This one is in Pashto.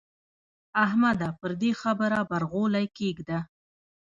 احمده پر دې خبره برغولی کېږده.